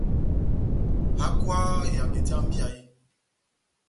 Hákwaha ehangi tɛ́h yá mbíya yé !